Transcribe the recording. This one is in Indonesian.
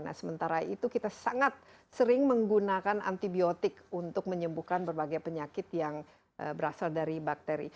nah sementara itu kita sangat sering menggunakan antibiotik untuk menyembuhkan berbagai penyakit yang berasal dari bakteri